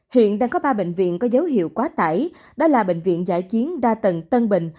hiện đang có ba bệnh viện có dấu hiệu quá tải đó là bệnh viện giải chiến đa tầng tân bình